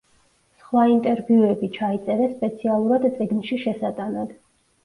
სხვა ინტერვიუები ჩაიწერეს სპეციალურად წიგნში შესატანად.